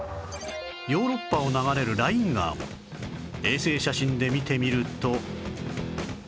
ヨーロッパを流れるライン川も衛星写真で見てみると